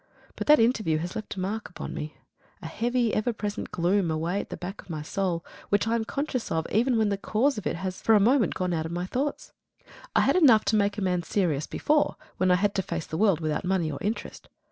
But that interview has left a mark upon me a heavy ever present gloom away at the back of my soul, which I am conscious of even when the cause of it has for a moment gone out of my thoughts. I had enough to make a man serious before, when I had to face the world without money or interest.